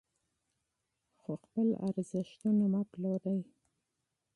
خو خپل ارزښتونه مه پلورئ.